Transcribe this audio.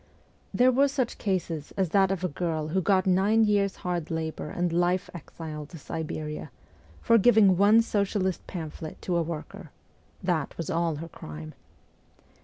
There were such cases as that of a girl who got nine years' hard labour and life exile to Siberia, for giving one socialist pamphlet to a worker : that was all her crime.